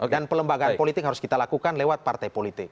dan pelembagaan politik harus kita lakukan lewat partai politik